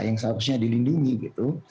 yang seharusnya dilindungi gitu